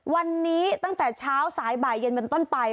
วันนี้ตั้งแต่เช้าสายบ่ายเย็นเป็นต้นไป